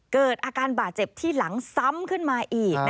เกิดอาการบาดเจ็บที่หลังซ้ำขึ้นมาอีก